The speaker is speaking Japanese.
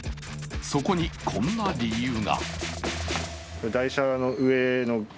そこに、こんな理由が。